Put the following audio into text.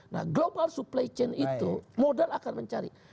nah global supply chain itu modal akan mencari